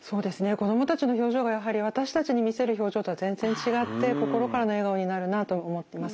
子供たちの表情がやはり私たちに見せる表情とは全然違って心からの笑顔になるなと思ってます。